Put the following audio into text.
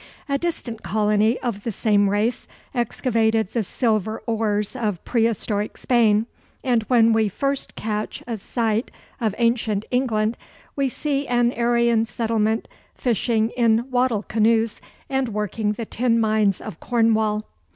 A distant colony of the same race excavated the silver ores of prehistoric Spain; and when we first catch a sight of ancient England, we see an Aryan settlement fishing in wattle canoes, and working the tin mines of Cornwall.